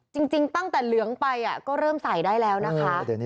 จริงตั้งแต่เหลืองไปก็เริ่มใส่ได้แล้วนะคะ